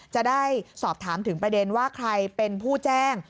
จะได้สอบถามถึงประเด็นว่าใครเป็นผู้แจ้ง